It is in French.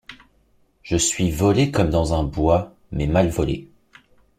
Je suis volé comme dans un bois, mais mal volé.